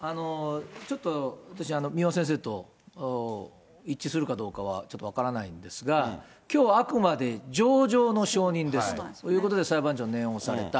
ちょっと私、三輪先生と一致するかどうかはちょっと分からないんですが、きょう、あくまで情状の証人ですということで、裁判長、念を押された。